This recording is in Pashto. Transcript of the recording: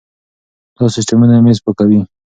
دا سیستمونه مېز پاکوي.